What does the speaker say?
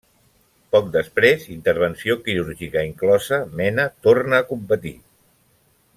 Poc després, intervenció quirúrgica inclosa, Mena torna a competir.